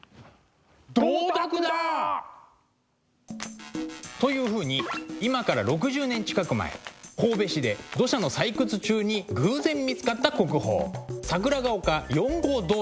銅鐸だ！というふうに今から６０年近く前神戸市で土砂の採掘中に偶然見つかった国宝「桜ヶ丘４号銅鐸」です。